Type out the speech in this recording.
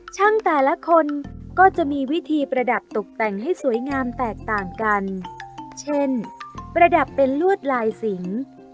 แต่ละคนก็จะมีวิธีประดับตกแต่งให้สวยงามแตกต่างกันเช่นประดับเป็นลวดลายสิง